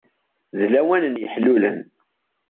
D lawan n yeḥlulen.